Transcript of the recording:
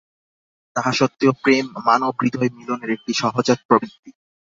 তাহা সত্ত্বেও প্রেম মানব-হৃদয়ে মিলনের একটি সহজাত প্রবৃত্তি।